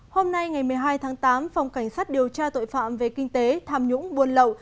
hôm nay ngày một mươi hai tháng tám phòng cảnh sát điều tra tội phạm về kinh tế tham nhũng buôn lậu